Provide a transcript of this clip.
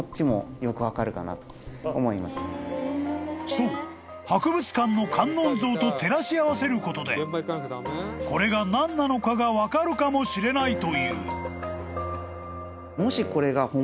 ［そう博物館の観音像と照らし合わせることでこれが何なのかが分かるかもしれないという］